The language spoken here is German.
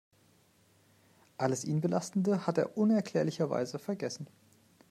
Alles ihn belastende hat er unerklärlicherweise vergessen.